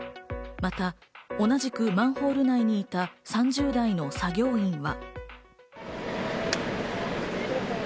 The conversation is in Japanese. また同じくマンホール内にいた３０代の作業員は。